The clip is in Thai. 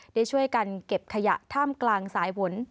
ได้ช่วยกันเก็บขยะท่ามกลางสายฝน